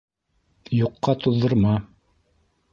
Юҡҡа туҙҙырма.